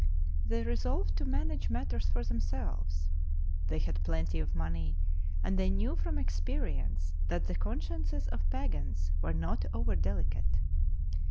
They resolved to manage matters for themselves. They had plenty of money, and they knew from experience that the consciences of pagans were not over delicate.